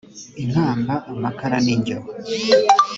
inkamba amakara n injyo